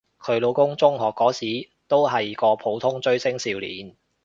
佢老公中學嗰時都係個普通追星少年